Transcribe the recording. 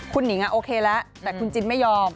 คุณหนิงโอเคแล้วแต่คุณจินไม่ยอม